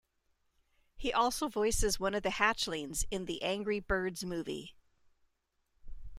He also voices one of the Hatchlings in "The Angry Birds Movie".